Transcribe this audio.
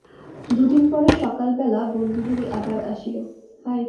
দুদিন পরে সকালবেলা বনবিহারী আবার আসিল।